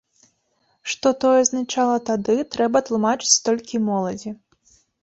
Што тое азначала тады, трэба тлумачыць толькі моладзі.